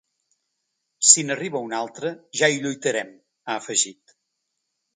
“Si n’arriba una altra, ja hi lluitarem”, ha afegit.